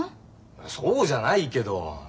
そうじゃないけど。